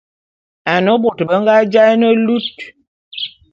Ane bôt be nga jaé ne lut.